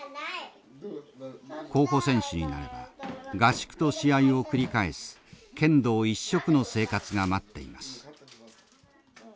候補選手になれば合宿と試合を繰り返す剣道一色の生活が待っています。